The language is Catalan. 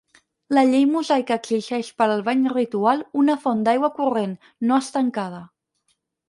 La llei mosaica exigeix per al bany ritual una font d'aigua corrent, no estancada.